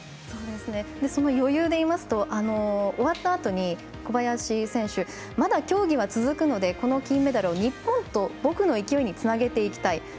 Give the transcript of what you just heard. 余裕でいいますと終わったあとに小林選手はまだ競技は続くのでこの金メダルを日本と僕の勢いにつなげていきたい。